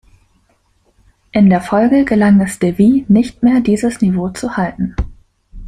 In der Folge gelang es Deville nicht mehr, dieses Niveau zu halten.